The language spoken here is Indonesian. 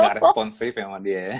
nggak responsif ya sama dia ya